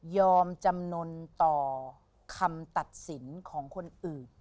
จำนวนต่อคำตัดสินของคนอื่น